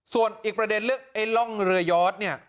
ส่วนอีกประเด็นเรื่องล่องเรือยอด